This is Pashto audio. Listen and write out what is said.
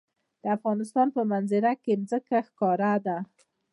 د افغانستان په منظره کې ځمکه ښکاره ده.